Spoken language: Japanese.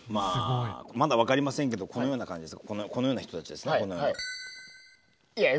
まだ分かりませんけどこのような感じです。